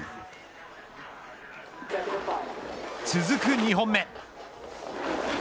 続く２本目。